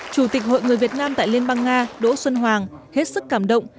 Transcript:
chủ tịch hội người việt nam tại liên bang nga đỗ xuân hoàng hết sức cảm động